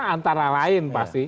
antara lain pasti